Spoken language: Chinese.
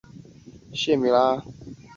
软件自身不带图形用户界面。